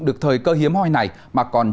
được thời cơ hiếm hoi này mà còn